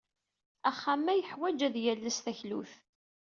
Axxam-a yeḥwaj ad yales taklut.